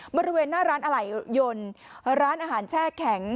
บริเวณหน้าร้านอะไหล่ยนต์ร้านอาหารแช่แข็ง